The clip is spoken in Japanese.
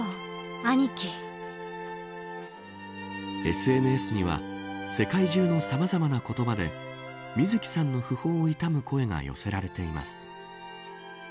ＳＮＳには世界中のさまざまな言葉で水木さんの訃報を悼む声が寄せられています。